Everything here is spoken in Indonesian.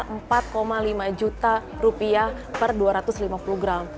harga perak saat ini itu kira kira sekitar empat lima juta rupiah per dua ratus lima puluh gram